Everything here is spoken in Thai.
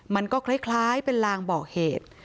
มันก็คล้ายเป็นลางบอกเหตุ